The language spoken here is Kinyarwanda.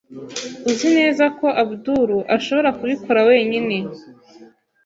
Uzi neza ko Abdul ashobora kubikora wenyine?